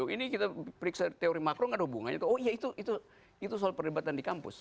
ini kita periksa teori makro tidak ada hubungannya ke oh iya itu soal perdebatan di kampus